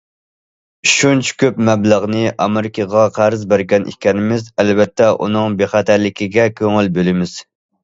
شۇنچە كۆپ مەبلەغنى ئامېرىكىغا قەرز بەرگەن ئىكەنمىز، ئەلۋەتتە ئۇنىڭ بىخەتەرلىكىگە كۆڭۈل بۆلىمىز.